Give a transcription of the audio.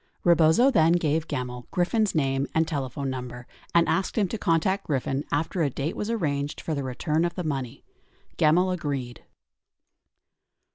Rebozo then gave Gemmill Griffin's name and telephone number and asked him to contact Griffin after a date was arranged for the return of the money. Gemmill agreed.